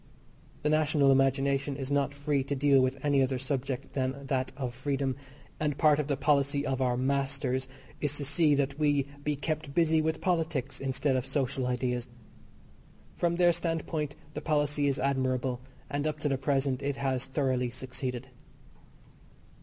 The national imagination is not free to deal with any other subject than that of freedom, and part of the policy of our "masters" is to see that we be kept busy with politics instead of social ideas. From their standpoint the policy is admirable, and up to the present it has thoroughly succeeded.